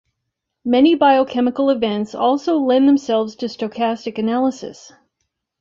Many biochemical events also lend themselves to stochastic analysis.